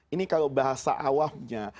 ini kalau bahasa awalnya